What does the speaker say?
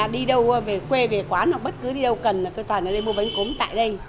đi đâu về quê về quán hoặc bất cứ đi đâu cần tôi toàn là đi mua bánh cốm tại đây